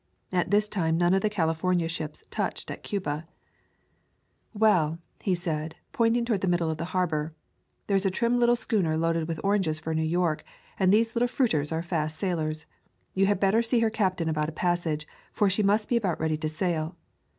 At this time none of the California ships touched at Cuba. [ 170 ] To California "Well," said he, pointing toward the middle of the harbor, "there is a trim little schooner loaded with oranges for New York, and these little fruiters are fast sailers. You had better see her captain about a passage, for she must be about ready to sail."